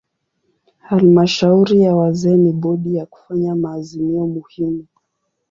Halmashauri ya wazee ni bodi ya kufanya maazimio muhimu.